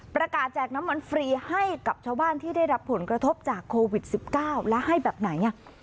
ประกาศแจกน้ำมันฟรีให้กับชาวบ้านที่ได้รับผลกระทบจากโควิดสิบเก้าแล้วให้แบบไหนอ่ะ